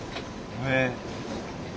へえ。